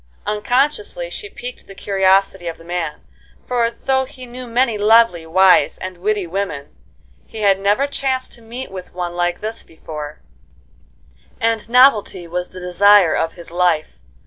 Unconsciously she piqued the curiosity of the man; for, though he knew many lovely, wise, and witty women, he had never chanced to meet with one like this before; and novelty was the desire of his life.